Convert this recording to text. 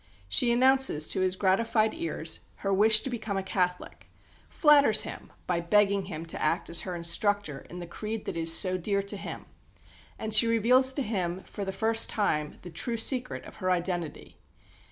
She announces to his gratified ears her wish to become a Catholic; flatters him by begging him to act as her instructor in the creed that is so dear to him; and she reveals to him "for the first time" the true secret of her identity.